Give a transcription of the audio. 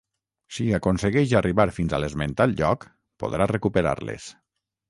Si aconsegueix arribar fins a l'esmentat lloc, podrà recuperar-les.